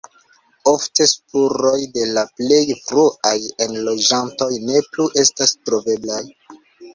Ofte spuroj de la plej fruaj enloĝantoj ne plu estas troveblaj.